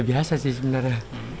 biasa sih sebenarnya